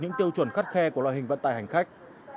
những tiêu chuẩn khắt khe của loài hình vận tài hành khách